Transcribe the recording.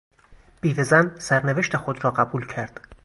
بیوهزن سرنوشت خود را قبول کرد.